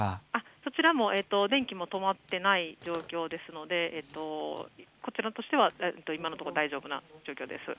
そちらも、電気も止まっていない状況ですのでこちらとしては今のところ大丈夫な状況です。